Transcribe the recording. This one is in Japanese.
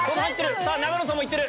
永野さんも行ってる！